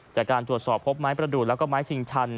จากการตรวจสอบพบไม้ประดูกแล้วก็ไม้ชิงชัน